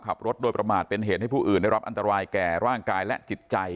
ขับรถโดยประมาทเป็นเหตุให้ผู้อื่นได้รับอันตรายแก่ร่างกายและจิตใจ